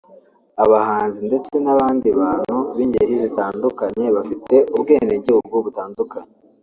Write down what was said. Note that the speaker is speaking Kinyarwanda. abahanzi ndetse n’abandi bantu b’ingeri zitandukanye bafite Ubwenegihugu butandukanye